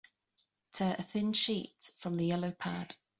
Tear a thin sheet from the yellow pad.